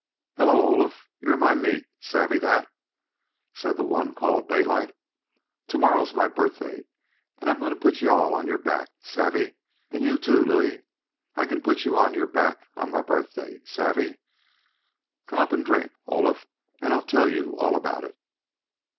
"Hello, Olaf, you're my meat, savvee that," said the one called Daylight. "To morrow's my birthday, and I'm going to put you all on your back savvee? And you, too, Louis. I can put you all on your back on my birthday savvee? Come up and drink, Olaf, and I'll tell you all about it."